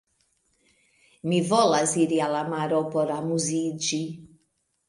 Mi volas iri al la maro por amuziĝi.